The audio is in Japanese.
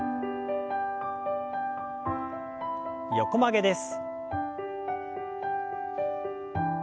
横曲げです。